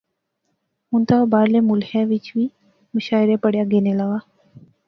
ہن تہ او باہرلے ملخیں وچ وی مشاعرے پڑھیا گینے لاغا